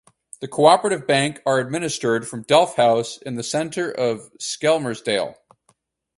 The Co-operative Bank are administered from Delf House in the centre of Skelmersdale.